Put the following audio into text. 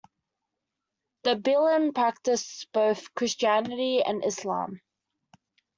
The Bilen practice both Christianity and Islam.